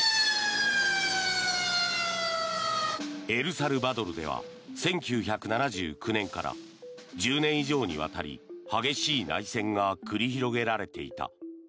エルサルバドルでは１９７９年から１０年以上にわたり激しい内戦が繰り広げられていた。